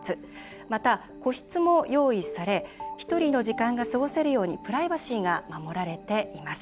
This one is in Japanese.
また、個室も用意され１人の時間が過ごせるようにプライバシーが守られています。